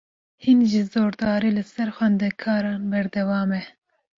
Hîn jî zordarî, li ser xwendekaran berdewame